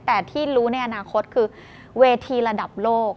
แต่ที่รู้ในอนาคตคือเวทีระดับโลก